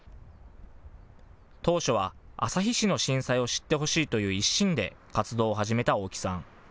当初は旭市の震災を知ってほしいという一心で活動を始めた大木さん。